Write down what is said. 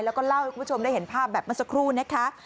แล้วก็เล่าให้คุณผู้ชมได้เห็นภาพแบบเมื่อสักครู่นะคะ